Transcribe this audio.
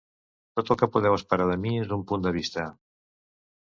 Tot el que podeu esperar de mi és un punt de vista.